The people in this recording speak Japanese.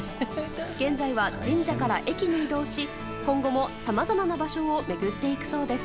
現在は神社から駅に移動し今後もさまざまな場所を巡っていくそうです。